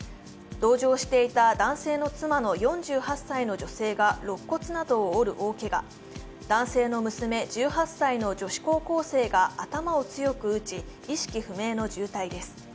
同乗していた男性の妻の４８歳の女性がろっ骨などを折る大けが、男性の娘１８歳の女子高校生が頭を強く打ち、意識不明の重体です。